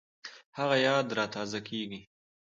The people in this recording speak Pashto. هغه یاد را تازه کېږي